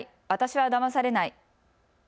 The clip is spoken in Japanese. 私はだまされない。